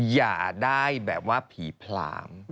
อย่าได้แบบว่าผีผลาม